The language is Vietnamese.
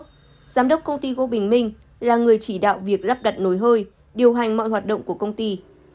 giám đốc công ty gỗ bình minh là người chỉ đạo việc lắp đặt nồi hơi điều hành mọi hoạt động của công ty